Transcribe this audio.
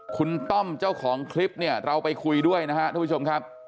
คุณต้อมเจ้าของคลิปเราไปคุยด้วยนะครับทุกผู้ชม